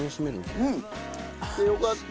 よかった！